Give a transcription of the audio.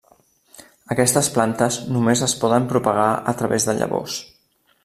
Aquestes plantes només es poden propagar a través de llavors.